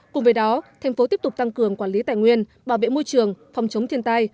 cùng với đó thành phố tiếp tục tăng cường quản lý tài nguyên bảo vệ môi trường phòng chống thiên tai